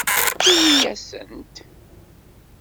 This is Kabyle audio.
Ini-asent.